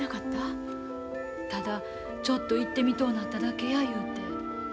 ただちょっと行ってみとうなっただけや言うて。